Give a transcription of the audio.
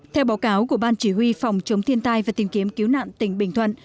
theo báo cáo của ban chỉ huy phòng chống thiên tai và tìm kiếm cứu nạn tỉnh bình thuận